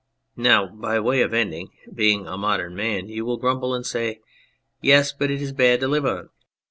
Now by way of ending ! Being a modern man you will grumble and say, " Yes, but it is bad to live on."